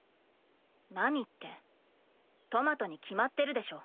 何ってトマトに決まってるでしょ。